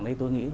đấy tôi nghĩ